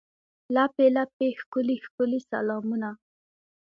لپې، لپې ښکلي، ښکلي سلامونه